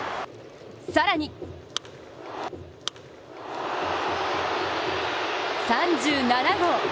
更に３７号。